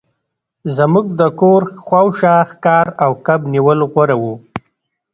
زموږ د کور شاوخوا ښکار او کب نیول غوره وو